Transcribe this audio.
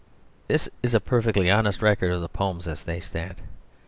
This is a perfectly honest record of the poems as they stand.